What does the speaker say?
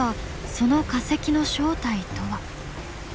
その化石の正体とは。